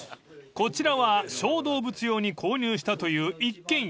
［こちらは小動物用に購入したという一軒家］